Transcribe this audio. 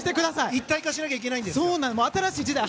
一体化しなきゃいけないんですよ。